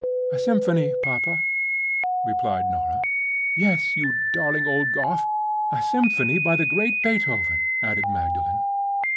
"A symphony, papa," replied Norah. "Yes, you darling old Goth, a symphony by the great Beethoven!" added Magdalen.